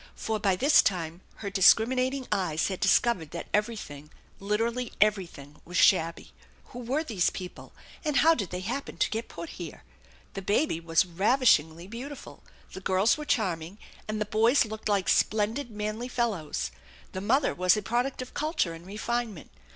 For by this time her discriminat ing eyes had discovered that everything literally everything was shabby. Who were these people, and how did they hap 164 THE ENCHANTED BARN pen to get put here? The baby was ravishingly beautiful, the girls were charming, and the boys looked like splendid, manly fellows. The mother was a product of culture and refinement.